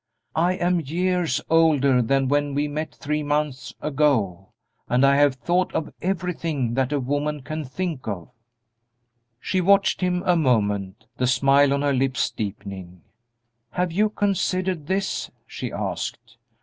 I am years older than when we met three months ago, and I have thought of everything that a woman can think of." She watched him a moment, the smile on her lips deepening. "Have you considered this?" she asked.